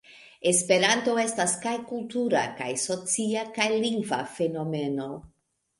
Esperanto estas kaj kultura, kaj socia, kaj lingva fenomeno.